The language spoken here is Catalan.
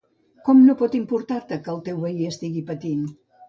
Com pot no importar-te que el teu veí estigui patint?